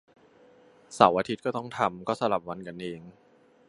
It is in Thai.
เสาร์อาทิตย์ก็ต้องทำ ก็สลับวันกันเอง